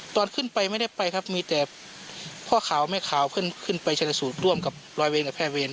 ตอนขึ้นไปไม่ได้ไปครับมีแต่พ่อขาวแม่ขาวขึ้นขึ้นไปชนสูตรร่วมกับรอยเวรกับแพทย์เวร